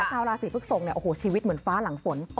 ชาวราศีพฤกษกชีวิตเหมือนฟ้าหลังฝน